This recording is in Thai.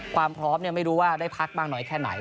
ความพร้อมไม่รู้ว่าได้พักมากน้อยแค่ไหน